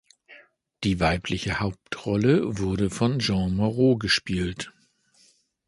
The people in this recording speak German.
Die weibliche Hauptrolle wurde von Jeanne Moreau gespielt.